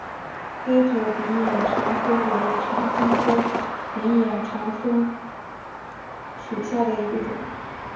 黑头柄眼长蝽为长蝽科柄眼长蝽属下的一个种。